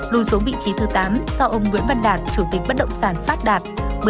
lùi xuống vị trí thứ tám do ông nguyễn văn đạt chủ tịch bất động sản phát đạt